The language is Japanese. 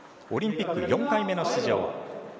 オリンピック４回目の出場。